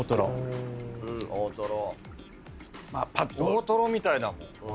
オオトロみたいだもん。